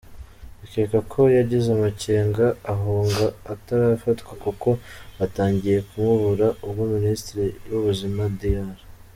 Bikekwa ko yagize amakenga ahunga atarafatwa, kuko batangiye kumubura ubwo Minisitiri w’Ubuzima Dr.